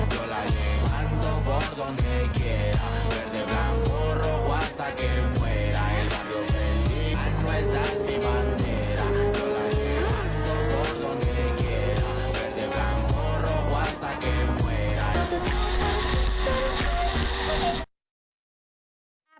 จริงลองดูค่ะ